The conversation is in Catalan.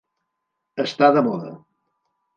Estar de moda.